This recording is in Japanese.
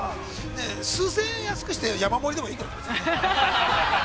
数千円安くして、山盛りでもいいね。